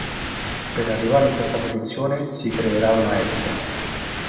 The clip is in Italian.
Per arrivare in questa posizione si creerà una "S".